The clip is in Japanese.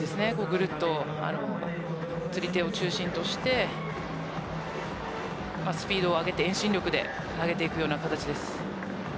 ぐるっと釣り手を中心としてスピードを上げて遠心力で投げていくような形です。